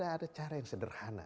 ada cara yang sederhana